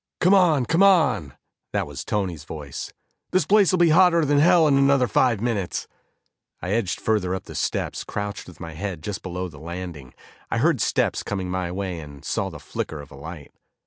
"Come on, come on," That was Tony's voice. "This place'll be hotter than hell in another five minutes." I edged further up the steps, crouched with my head just below the landing. I heard steps coming my way and saw the flicker of a light.